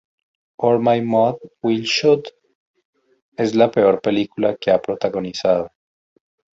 Or My Mom Will Shoot" es "la peor película que ha protagonizado".